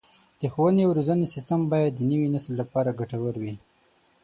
د ښوونې او روزنې سیستم باید د نوي نسل لپاره ګټور وي.